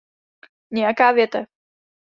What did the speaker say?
Nějaká větev.